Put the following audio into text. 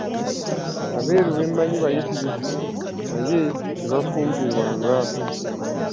Abeeru be mmanyi bayitirivu naye tebafumbirwanga.